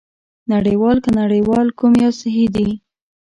نړۍوال که نړیوال کوم یو صحي دی؟